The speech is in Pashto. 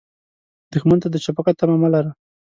دښمن ته د شفقت تمه مه لره